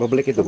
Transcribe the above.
publik itu bu